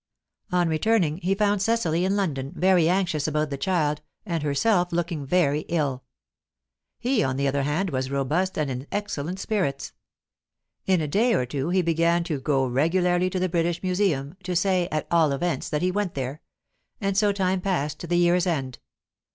On returning, he found Cecily in London, very anxious about the child, and herself looking very ill. He, on the other hand, was robust and in excellent spirits; in a day or two he began to go regularly to the British Museum to say, at all events, that he went there. And so time passed to the year's end.